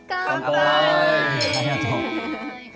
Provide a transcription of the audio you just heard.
ありがとう。